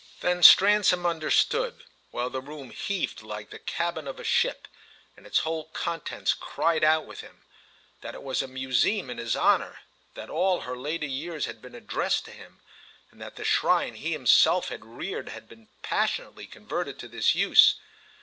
Then Stransom understood, while the room heaved like the cabin of a ship, that its whole contents cried out with him, that it was a museum in his honour, that all her later years had been addressed to him and that the shrine he himself had reared had been passionately converted to this use.